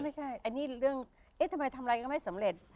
ไม่ใช่อันนี้เรื่องเอ๊ะทำไมทำอะไรก็ไม่สำเร็จ